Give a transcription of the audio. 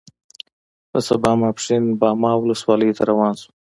په سبا ماسپښین باما ولسوالۍ ته روان شوو.